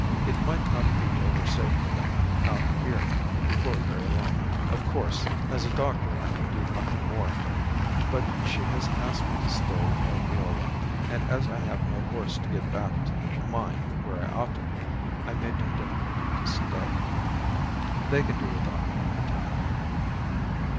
It might not be over safe for them out here before very long. Of course, as a doctor I can do nothing more here; but she has asked me to stay with old Viola, and as I have no horse to get back to the mine, where I ought to be, I made no difficulty to stay. They can do without me in the town."